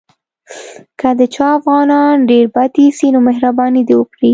که د چا افغانان ډېر بد ایسي نو مهرباني دې وکړي.